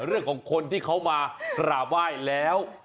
เรื่องของคนที่เขามากราบไหว้แล้ว